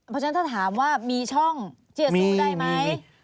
พอฉะนั้นถ้าถามว่ามีช่องเจี้ยชูได้ไหมมี